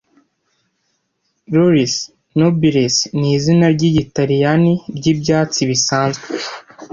Lauris Nobilis ni izina ry'ikilatini ry'ibyatsi bisanzwe